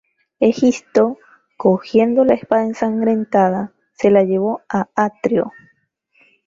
Egisto, cogiendo la espada ensangrentada, se la llevó a Atreo.